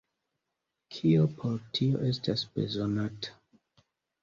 Kio por tio estas bezonata?